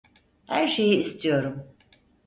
Her şeyi istiyorum.